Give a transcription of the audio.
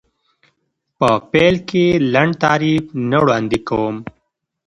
په پیل کې لنډ تعریف نه وړاندې کوم.